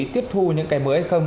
tiếp thu những cây mới hay không